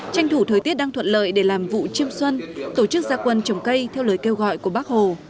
tranh thủ thời tiết đang thuận lợi để làm vụ chiêm xuân tổ chức gia quân trồng cây theo lời kêu gọi của bác hồ